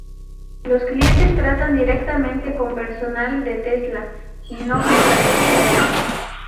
Los clientes tratan directamente con personal de Tesla y no con franquiciados.